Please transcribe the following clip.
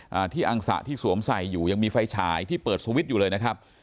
อ่าที่อังสะที่สวมใส่อยู่ยังมีไฟฉายที่เปิดสวิตช์อยู่เลยนะครับ